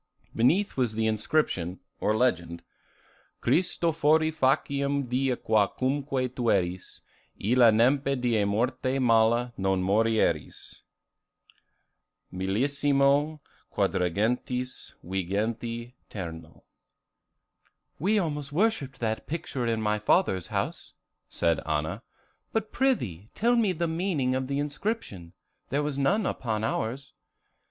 Beneath was the inscription, or legend: [Illustration: Christofori faciem die qua cumque tueris Illa nempe die morte mala non morieris. Millesimo cccc^o xx^o terno. ] "We almost worshipped that picture in my father's house," said Anna; "but prithee tell me the meaning of the inscription; there was none upon ours."